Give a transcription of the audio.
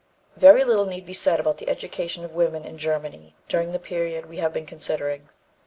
" Very little need be said about the education of women in Germany during the period we have been considering.